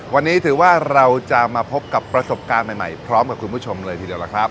วันนี้ถือว่าเราจะมาพบกับประสบการณ์ใหม่พร้อมกับคุณผู้ชมเลยทีเดียวล่ะครับ